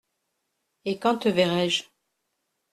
Et quand te verrai-je ?